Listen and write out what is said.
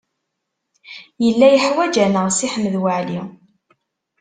Yella yeḥwaj-aneɣ Si Ḥmed Waɛli.